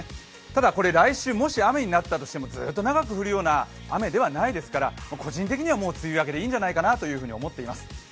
ただ来週もし雨になったとしてもずっと長く降るような雨ではないですから個人的にはもう梅雨明けでいいんじゃないかなと思っています。